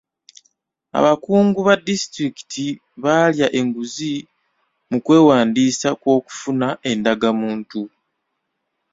Abakungu ba disitulikit baalya enguzi mu kwewandiisa kw'okufuna endagamuntu.